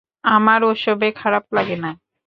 আমার ওসবে খারাপ লাগে না!